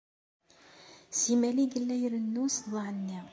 Simal ay yella irennu ṣṣdeɛ-nni.